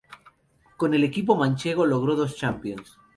Con el equipo manchego logró dos Champions.